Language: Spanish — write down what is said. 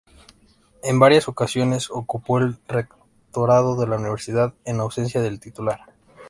En varias ocasiones ocupó el rectorado de la universidad en ausencia del titular.